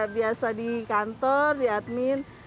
biasa di kantor di admin